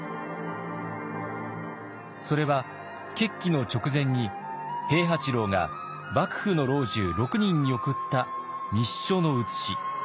それは決起の直前に平八郎が幕府の老中６人に送った密書の写し。